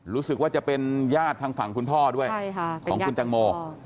รู้สึกว่าจะเป็นญาติทางฝั่งคุณพ่อด้วยของคุณตังโม